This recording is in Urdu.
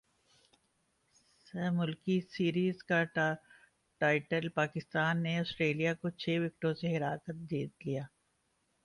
سہ ملکی سیریز کا ٹائٹل پاکستان نے اسٹریلیا کو چھ وکٹوں سے ہرا کرجیت لیا